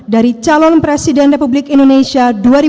dari calon presiden republik indonesia